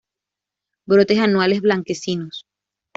Brotes anuales, blanquecinos.